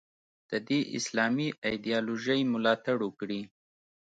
د دې اسلامي ایدیالوژۍ ملاتړ وکړي.